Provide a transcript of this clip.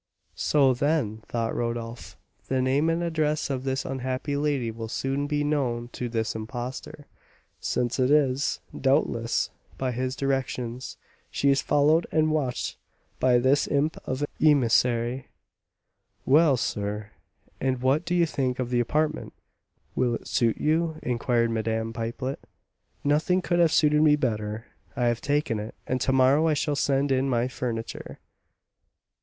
"So, then," thought Rodolph, "the name and address of this unhappy lady will soon be known to this imposter, since it is, doubtless, by his directions she is followed and watched by this imp of an emissary." "Well, sir, and what do you think of the apartment? Will it suit you?" inquired Madame Pipelet. "Nothing could have suited me better. I have taken it, and to morrow I shall send in my furniture."